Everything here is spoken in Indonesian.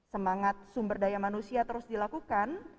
semangat sumber daya manusia terus dilakukan